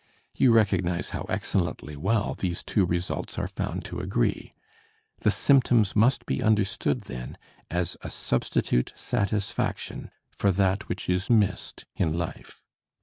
You recognize how excellently well these two results are found to agree. The symptoms must be understood, then, as a substitute satisfaction for that which is missed in life.